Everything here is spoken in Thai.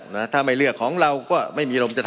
มันมีมาต่อเนื่องมีเหตุการณ์ที่ไม่เคยเกิดขึ้น